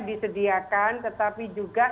disediakan tetapi juga